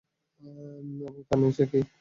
এবং তার নিচে কে?